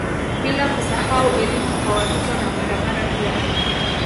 Bila kusahau elimu kwa watoto na barabara pia